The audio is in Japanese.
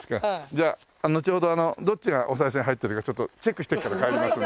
じゃあのちほどどっちがおさい銭入ってるかちょっとチェックしてから帰りますね。